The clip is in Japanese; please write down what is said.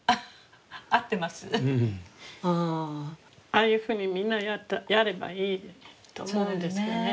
ああいうふうにみんなやればいいと思うんですけどね。